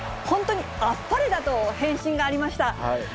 本当にあっぱれだと返信がありました。